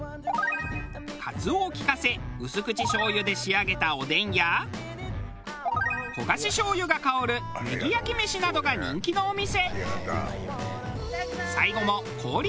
かつおを利かせ薄口醤油で仕上げたおでんや焦がし醤油が香るネギ焼きめしなどが人気のお店。